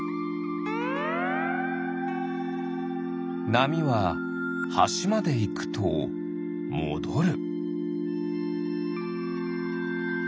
なみははしまでいくともどる。